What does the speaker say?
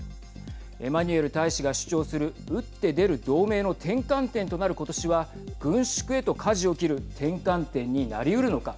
エマニュエル大使が主張する打って出る同盟の転換点となる今年は軍縮へとかじを切る転換点になりうるのか。